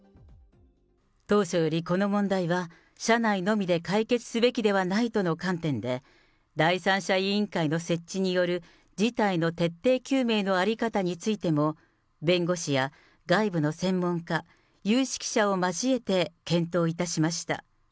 当初よりこの問題は、社内のみで解決すべきではないとの観点で、第三者委員会の設置による事態の徹底究明のあり方についても、弁護士や外部の専門家、有識者を交えて検討いたしました。